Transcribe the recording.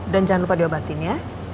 dan jangan lupa diobatin ya